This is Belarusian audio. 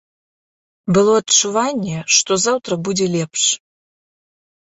Было адчуванне, што заўтра будзе лепш.